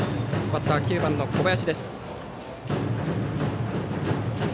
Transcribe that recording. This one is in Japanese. バッター、９番の小林。